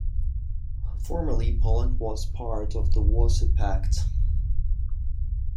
Formerly, Poland was part of the Warsaw Pact.